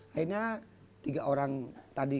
hanya tiga orang tadi